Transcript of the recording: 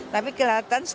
tapi kita bisa menguasai